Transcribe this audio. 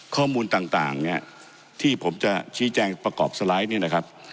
ข้อมูลต่างเนี่ยที่ผมจะชี้แจงประกอบสไลด์เนี่ยนะครับ